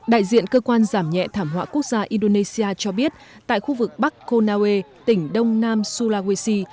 đại diện cơ quan giảm nhẹ thảm họa quốc gia indonesia cho biết tại khu vực bắc kona tỉnh đông nam sulawesi